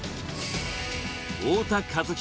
太田一宏